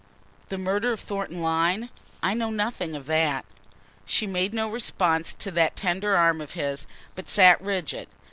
"The murder of Thornton Lyne? I know nothing of that." She made no response to that tender arm of his, but sat rigid.